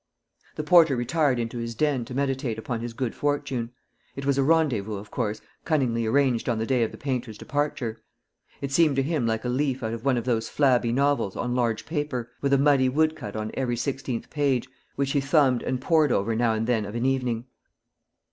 The porter retired into his den to meditate upon his good fortune. It was a rendezvous, of course, cunningly arranged on the day of the painter's departure. It seemed to him like a leaf out of one of those flabby novels on large paper, with a muddy wood cut on every sixteenth page, which he thumbed and pored over now and then of an evening.